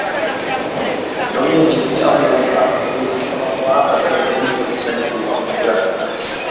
Kromě dětí a vnoučat po ní zůstala celá řada dobových dokumentů a fotografií.